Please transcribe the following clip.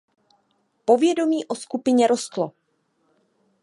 Povědomí o skupině rostlo.